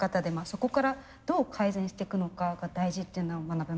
そこからどう改善していくのかが大事っていうのが学べました。